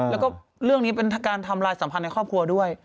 แล้วก็เรื่องนี้เป็นการทำลายสัมพันธ์ในครอบครัวด้วย